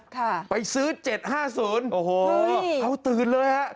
ค่ะไปซื้อเจ็ดห้าศูนย์โอ้โหเขาตื่นเลยฮะ